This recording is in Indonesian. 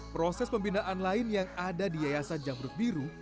proses pembinaan lain yang ada di yayasan jamrut biru